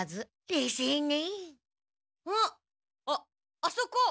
あっあそこ。